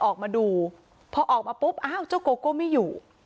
ออกมาดูพอออกมาปุ๊บอ้าวเจ้าโกโก้ไม่อยู่